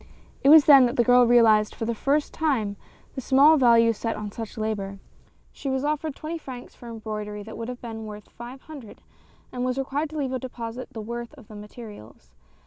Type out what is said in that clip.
It was then that the girl realized, for the first time, the small value set on such labor. She was offered twenty francs for embroidery that would have been worth five hundred, and was required to leave as a deposit the worth of the materials.